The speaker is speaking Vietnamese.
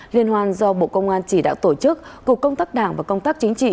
liên hoan do bộ công an chỉ đạo tổ chức cục công tác đảng và công tác chính trị